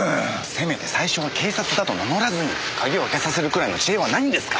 せめて最初は警察だと名乗らずに鍵を開けさせるくらいの知恵はないんですか？